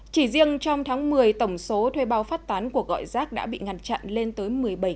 chỉ riêng trong tháng một mươi tổng số thuê bao phát tán của gọi rác đã bị ngăn chặn lên tới một mươi bảy năm trăm linh